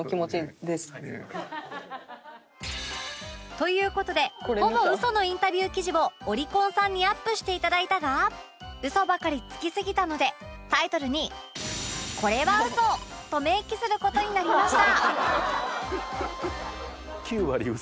という事でほぼウソのインタビュー記事をオリコンさんにアップしていただいたがウソばかりつきすぎたのでタイトルに「これはウソ」と明記する事になりました